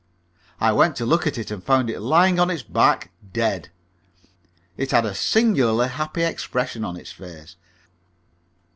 I went to look at it, and found it lying on its back, dead. It had a singularly happy expression on its face.